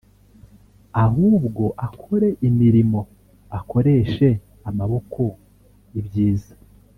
ahubwo akore imirimo akoreshe amaboko ibyiza